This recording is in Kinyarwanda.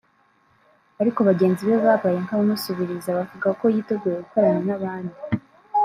ariko bagenzi be babaye nk’abamusubiriza bavuga ko yiteguye gukorana n’abandi